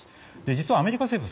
実はアメリカ政府